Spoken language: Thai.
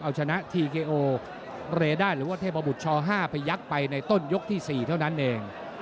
เอาชนะทีเกโอเลยได้หรือว่าเทพบุรดชห้าไปยักษ์ไปในต้นยกที่สี่เท่านั้นเอง